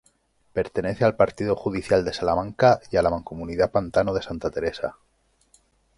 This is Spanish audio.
Pertenece al partido judicial de Salamanca y a la Mancomunidad Pantano de Santa Teresa.